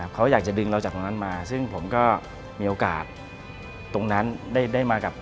เขาอยากจะดึงเราจากตรงนั้นมา